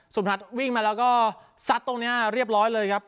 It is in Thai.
พัฒน์วิ่งมาแล้วก็ซัดตรงนี้เรียบร้อยเลยครับ